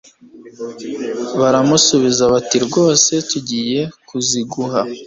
baramusubiza bati rwose tugiye kuziguha